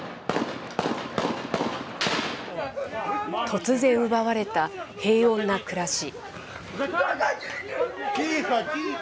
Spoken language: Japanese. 突然奪われた平穏な暮らし。